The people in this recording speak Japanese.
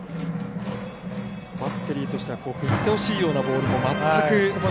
バッテリーとしては振ってほしいようなボールも。